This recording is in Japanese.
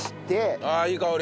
ああいい香り。